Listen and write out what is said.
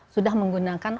sudah menggunakan obat ini